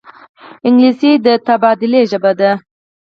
انګلیسي د تبادلې ژبه ده